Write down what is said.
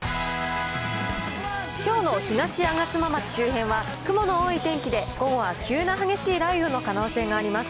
きょうの東吾妻町周辺は雲の多い天気で、午後は急な激しい雷雨の可能性があります。